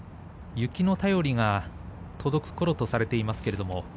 雪の便りが届くころとされています。